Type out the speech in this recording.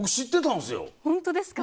ホントですか？